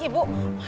nggak ada makanan